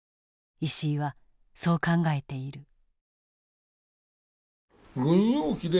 石井はそう考えている。